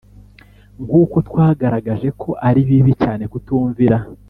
Nkuko twagaragaje ko ari bibi cyane kutumvira.